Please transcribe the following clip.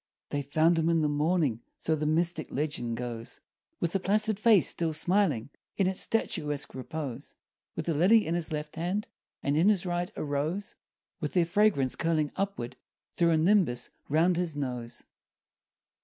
They found him in the morning So the mystic legend goes With the placid face still smiling In its statuesque repose; With a lily in his left hand, And in his right a rose, With their fragrance curling upward Through a nimbus 'round his nose.